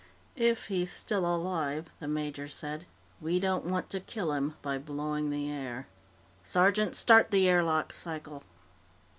"If he's still alive," the major said, "we don't want to kill him by blowing the air. Sergeant, start the airlock cycle."